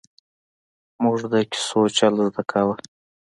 ـ مونږ د کیسو چل زده کاوه!